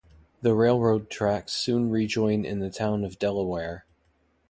The railroad tracks soon rejoin in the town of Delaware.